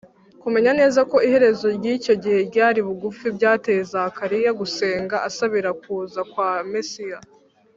Kumenya neza ko iherezo ry’icyo gihe ryari bugufi, byateye Zakariya gusenga asabira kuza kwa Mesiya